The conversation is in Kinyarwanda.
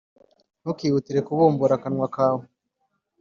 Ntukihutire kubumbura akanwa kawe